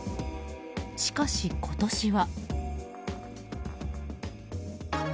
しかし、今年は。